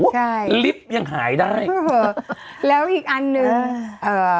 ใช่ลิฟต์ยังหายได้โอ้โหแล้วอีกอันหนึ่งเอ่อ